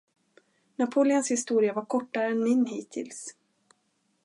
Napoleons historia var kortare än min hittills.